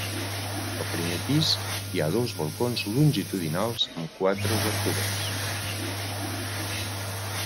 Al primer pis hi ha dos balcons longitudinals amb quatre obertures.